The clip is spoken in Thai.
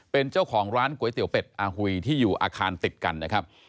เป็นเจ้าของร้านก๋วยเตี๋ยวเป็ดอาหุยที่อยู่อาคารติดกันนะครับ